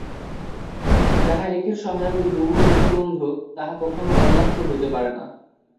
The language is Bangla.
যাহা একের সহায়ক ও বহুর প্রতিবন্ধক, তাহা কখনও কল্যাণকর হইতে পারে না।